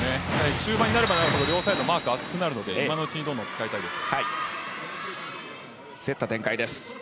中盤になればなるほどマークが厚くなるので今のうちに使いたいです。